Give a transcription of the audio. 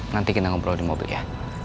nanti kita ngobrol di mobil ya